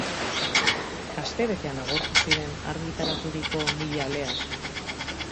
Astebetean agortu ziren argitaraturiko mila aleak.